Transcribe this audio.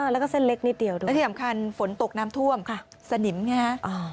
และก็เส้นเล็กนิดเดียวดูนะครับสนิมไงครับ